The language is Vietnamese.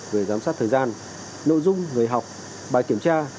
về giám sát thời gian nội dung người học bài kiểm tra